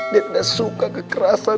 dia tidak suka kekerasan